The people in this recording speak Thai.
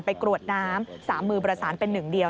ไปกรวดน้ำ๓มือบริษัทเป็นหนึ่งเดียว